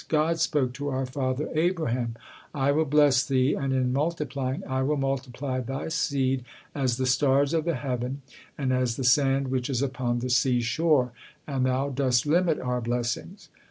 God spoke to our father Abraham: 'I will bless thee and in multiplying I will multiply thy seed as the stars of the heaven, and as the sand which is upon the sea shore,' and thou dost limit our blessings."